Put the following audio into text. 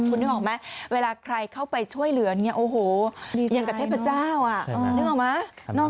คุณนึกออกไหมเวลาใครเข้าไปช่วยเหลืออย่างเทพเจ้านึกออกไหม